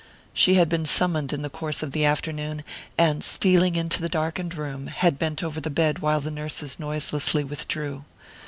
She had been summoned in the course of the afternoon, and stealing into the darkened room, had bent over the bed while the nurses noiselessly withdrew.